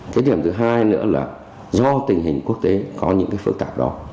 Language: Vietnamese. cái điểm thứ hai nữa là do tình hình quốc tế có những cái phức tạp đó